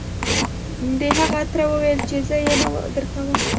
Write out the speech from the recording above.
د هغه تره وويل چې زه يې نه درکوم.